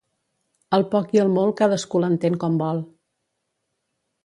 El poc i el molt cadascú l'entén com vol.